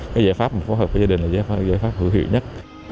cái giải pháp mà phối hợp với gia đình là giải pháp hữu hiệu nhất